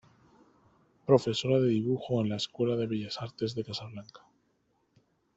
Profesora de dibujo en la Escuela de Bellas Artes de Casablanca.